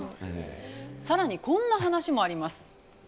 更にこんな話もあります。